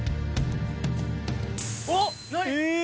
おっ、何？